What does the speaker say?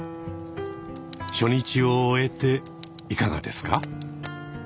初日を終えていかがですか？